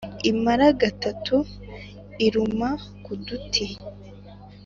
imara gatatu iruma ku duti !